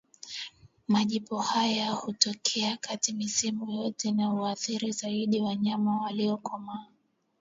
Majipu haya hutokea katika misimu yote na huathiri zaidi wanyama waliokomaa